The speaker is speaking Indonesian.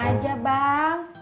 turutin aja bang